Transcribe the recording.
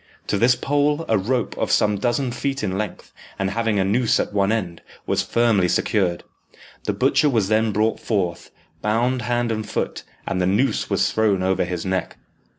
To this pole a rope, of some dozen feet in length, and having a noose at one end, was firmly secured. The butcher was then brought forth, bound hand and foot, and the noose was thrown over his neck.